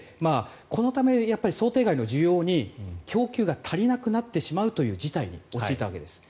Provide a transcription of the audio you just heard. このため、想定外の需要に供給が足りなくなってしまうという事態に陥ったわけです。